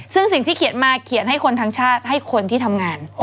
ซึ่งสิ่งที่เขียนมาเขียนให้คนทั้งชาติให้คนที่ทำงาน